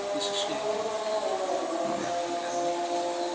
kami juga berharap